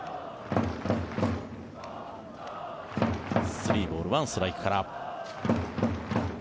３ボール、１ストライクから。